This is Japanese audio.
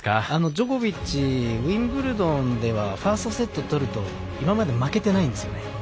ジョコビッチウィンブルドンではファーストセット取ると今まで負けてないんですよね。